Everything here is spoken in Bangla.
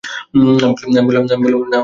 আমি বললাম, না, আমার খিদে নেই।